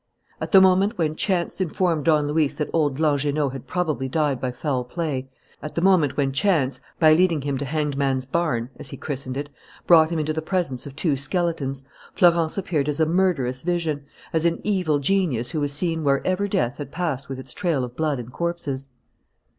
At the moment when chance informed Don Luis that old Langernault had probably died by foul play, at the moment when chance, by leading him to Hanged Man's Barn, as he christened it, brought him into the presence of two skeletons, Florence appeared as a murderous vision, as an evil genius who was seen wherever death had passed with its trail of blood and corpses.